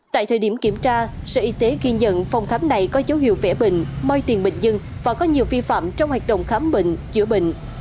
tại thời điểm kiểm tra sở y tế ghi nhận phòng khám này có dấu hiệu vẽ bệnh moi tiền bình dân và có nhiều vi phạm trong hoạt động khám bệnh chữa bệnh